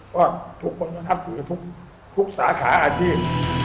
ก็ทุกคนก็นับถือทุกสาขาอาชีพ